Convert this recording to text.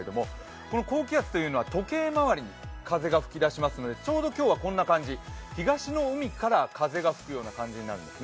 この高気圧というのは時計回りに風が吹き出しますのでちょうど今日はこんな感じ、東の海から風が吹くような感じになります。